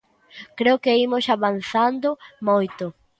Creo que imos avanzando moito.